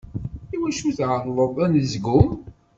Iwacu tɛelleḍ anezgum?